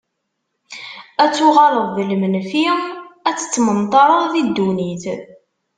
Ad tuɣaleḍ d lmenfi, ad tettmenṭareḍ di ddunit.